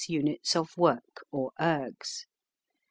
units of work or ergs.